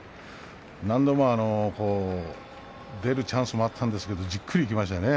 何度も出るチャンスはあったんですけどじっくりいきましたね。